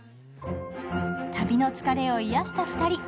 旅の疲れを癒やした２人。